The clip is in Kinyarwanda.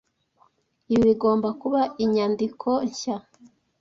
Ibi bigomba kuba inyandiko nshya.